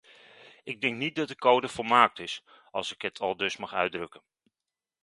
Ik denk niet dat de code volmaakt is., als ik het aldus mag uitdrukken.